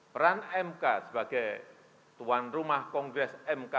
peran mk sebagai tuan rumah kongres mk